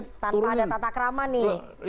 oke tanpa ada tatakrama nih